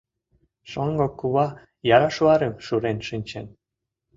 Шоҥго кува яра шуарым шурен шинчен.